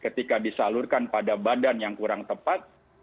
ketika disalurkan pada badan yang kurang tepat